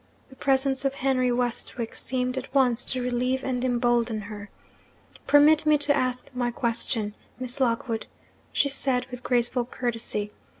The presence of Henry Westwick seemed at once to relieve and embolden her. 'Permit me to ask my question, Miss Lockwood,' she said, with graceful courtesy.